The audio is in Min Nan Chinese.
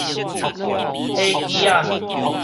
伙計仔